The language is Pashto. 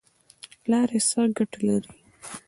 لاړې څه ګټه لري؟